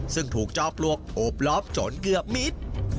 ซึ่งถูกจอปลวกโอบล้อมจนเกือบมิด